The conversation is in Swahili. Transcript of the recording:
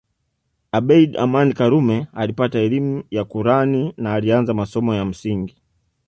Abeid Amani Karume alipata elimu ya Kurani na alianza masomo ya msingi